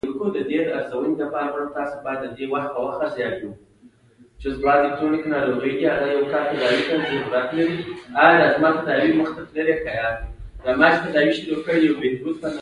• د کار وخت د بریا کلي ده.